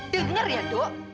dengar ya edo